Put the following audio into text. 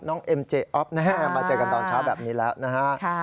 เอ็มเจออ๊อฟนะฮะมาเจอกันตอนเช้าแบบนี้แล้วนะฮะ